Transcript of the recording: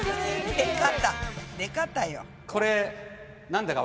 出方出方よ。